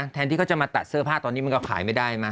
แทนที่เขาจะมาตัดเสื้อผ้าตอนนี้มันก็ขายไม่ได้มั